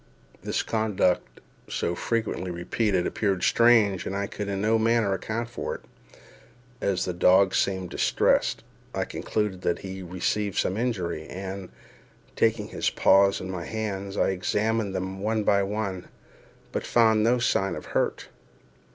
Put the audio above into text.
This conduct, so frequently repeated, appeared strange, and I could in no manner account for it. As the dog seemed distressed, I concluded that he had received some injury; and, taking his paws in my hands, I examined them one by one, but found no sign of any hurt.